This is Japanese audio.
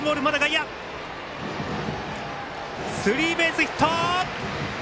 スリーベースヒット！